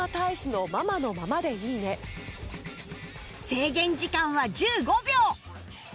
制限時間は１５秒